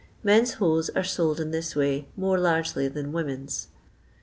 Men's hose are sold in this way more largely than women's.